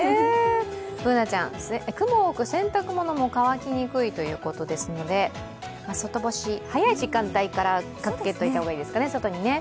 Ｂｏｏｎａちゃん、雲多く、洗濯物も乾きにくいということですので、外干し、早い時間帯から出しておいた方がいいですね。